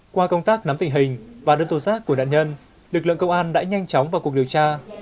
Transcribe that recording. qua công tác nắm tình hình và đơn tố giác của nạn nhân lực lượng công an đã nhanh chóng vào cuộc điều tra